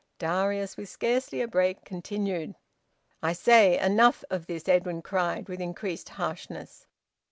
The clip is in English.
Darius, with scarcely a break, continued. "I say enough of this!" Edwin cried, with increased harshness.